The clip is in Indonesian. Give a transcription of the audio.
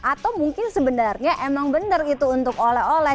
atau mungkin sebenarnya emang bener itu untuk oleh oleh